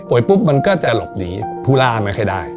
ป่วยปุ๊บมันก็จะหลบหนีทุลาไม่เคยได้